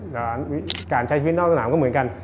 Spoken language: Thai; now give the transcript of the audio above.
แต่การใช้ชีวิตนอกสนามก็เหมือนกัน